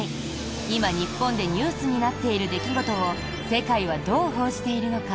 今、日本でニュースになっている出来事を世界はどう報じているのか。